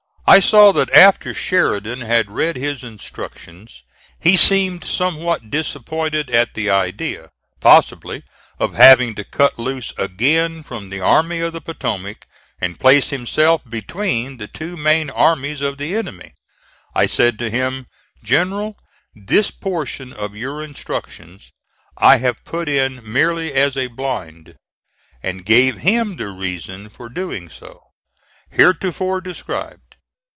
I saw that after Sheridan had read his instructions he seemed somewhat disappointed at the idea, possibly, of having to cut loose again from the Army of the Potomac, and place himself between the two main armies of the enemy. I said to him: "General, this portion of your instructions I have put in merely as a blind;" and gave him the reason for doing so, heretofore described.